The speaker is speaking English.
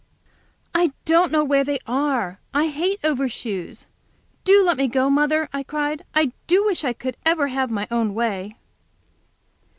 "I don't know where they are. I hate overshoes. Do let me go, mother," I cried. "I do wish I could ever have my own way."